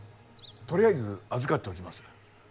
とりあえず預かっておきます。